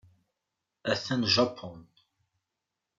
Atan Japun.